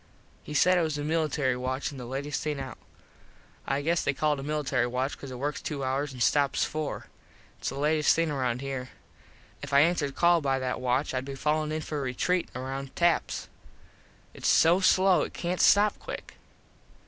He said it was a military watch an the latest thing out. I guess they call it a military watch cause it works two hours and stops four. Its the latest thing round here. If I answered call by that watch Id be fallin in for retreat round taps. Its so slow it cant stop quick.